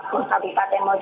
sehingga membanjirkan anak